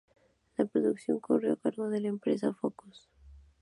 La producción corrió a cargo de la empresa Focus.